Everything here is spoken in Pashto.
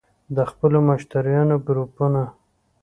- د خپلو مشتریانو ګروپونه